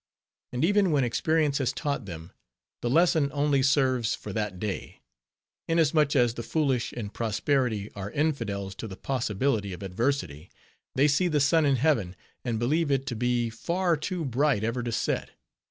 And even when experience has taught them, the lesson only serves for that day; inasmuch as the foolish in prosperity are infidels to the possibility of adversity; they see the sun in heaven, and believe it to be far too bright ever to set.